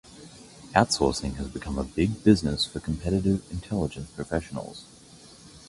Outsourcing has become a big business for competitive intelligence professionals.